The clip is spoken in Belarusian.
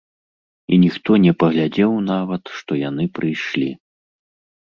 І ніхто не паглядзеў нават, што яны прыйшлі.